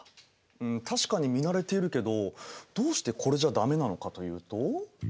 ん確かに見慣れているけどどうしてこれじゃダメなのかというと？